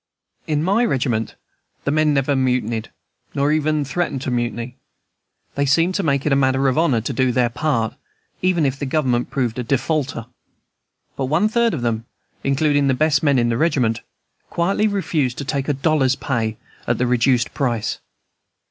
In my regiment the men never mutinied, nor even threatened mutiny; they seemed to make it a matter of honor to do then: part, even if the Government proved a defaulter; but one third of them, including the best men in the regiment, quietly refused to take a dollar's pay, at the reduced price.